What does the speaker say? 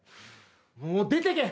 もう出て行け！